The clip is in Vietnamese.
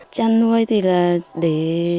chăn nuôi thì là để